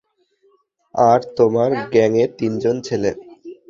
আর তোমার গ্যাংয়ের তিনজন ছেলে।